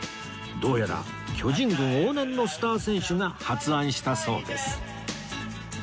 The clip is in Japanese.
どうやら巨人軍往年のスター選手が発案したそうです